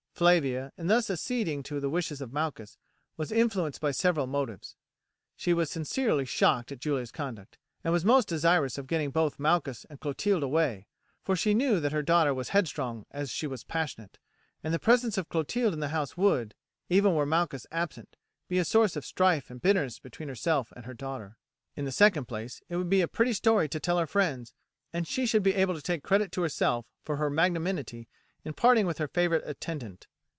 Flavia, in thus acceding to the wishes of Malchus, was influenced by several motives. She was sincerely shocked at Julia's conduct, and was most desirous of getting both Malchus and Clotilde away, for she knew that her daughter was headstrong as she was passionate, and the presence of Clotilde in the house would, even were Malchus absent, be a source of strife and bitterness between herself and her daughter. In the second place, it would be a pretty story to tell her friends, and she should be able to take credit to herself for her magnanimity in parting with her favourite attendant.